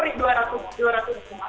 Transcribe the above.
jadi itu udah cukup berarti buat kita